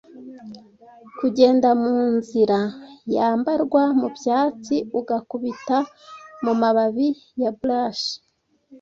Kugenda munzira yambarwa mubyatsi ugakubita mumababi ya brush,